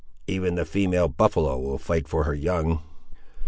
Even the female buffaloe will fight for her young!"